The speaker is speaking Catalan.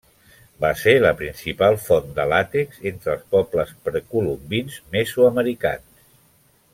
Va ser la principal font de làtex entre els pobles precolombins mesoamericans.